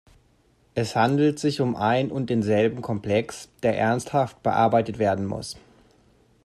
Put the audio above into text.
Es handelt sich um ein und denselben Komplex, der ernsthaft bearbeitet werden muss.